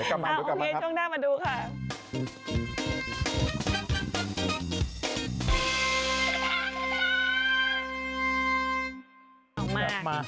โอเคช่วงหน้ามาดูค่ะ